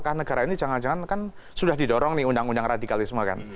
karena negara ini jangan jangan kan sudah didorong nih undang undang radikalisme kan